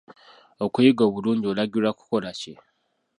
Okuyiga obulungi olagirwa kukola ki?